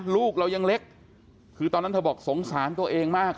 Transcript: ลูกเรายังเล็กคือตอนนั้นเธอบอกสงสารตัวเองมาก